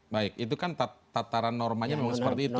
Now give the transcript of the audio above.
baik itu kan tataran normanya memang seperti itu